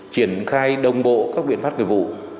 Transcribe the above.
triển khai đồng bộ các biện pháp nghiệp vụ